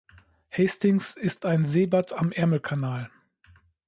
Hastings ist ein Seebad am Ärmelkanal.